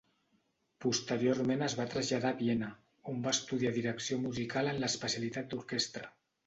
Posteriorment es va traslladar a Viena, on va estudiar direcció musical en l'especialitat d'orquestra.